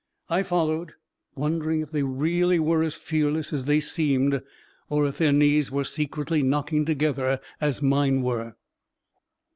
I followed, wondering if they were really as fearless as they seemed, or if their knees were secretly knocking together as mine were.